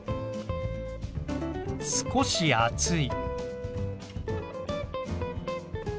少し暑い。